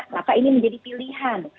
maka ini menjadi pilihan